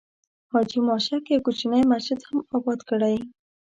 حاجي ماشک یو کوچنی مسجد هم آباد کړی.